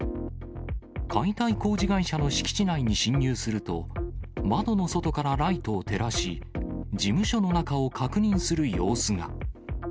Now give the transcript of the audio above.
解体工事会社の敷地内に侵入すると、窓の外からライトを照らし、事務所の中を確認する様子が。